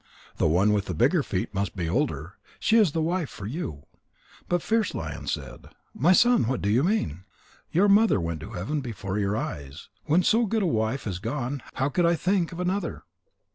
The one with the bigger feet must be older. She is the wife for you." But Fierce lion said: "My son, what do you mean? Your mother went to heaven before your eyes. When so good a wife is gone, how could I think of another?"